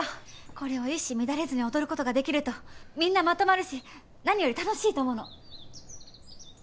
これを一糸乱れずに踊ることができるとみんなまとまるし何より楽しいと思うの。